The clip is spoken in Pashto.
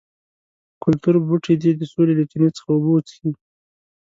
کلتور بوټي دې د سولې له چینې څخه اوبه وڅښي.